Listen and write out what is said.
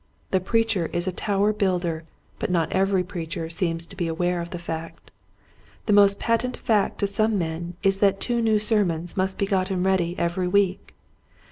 The preacher is a tower builder but not every preacher seems to be aware of the fact. The most patent fact to some men is that two new sermons must be gotten ready every week.